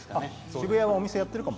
渋谷のお店やってるかも。